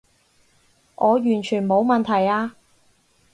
我完全冇問題啊